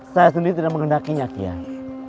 saya sendiri tidak mengendakinya kiai